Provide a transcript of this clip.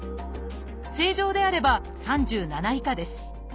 正常であれば３７以下です。